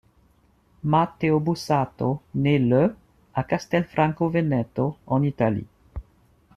Matteo Busato naît le à Castelfranco Veneto en Italie.